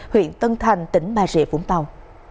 huyện tân thành tỉnh ba rịa vũng tàu